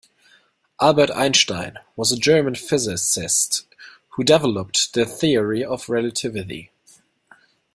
Albert Einstein was a German physicist who developed the Theory of Relativity.